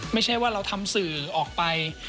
ไม่ใช่ว่าเราทำสื่อออกไป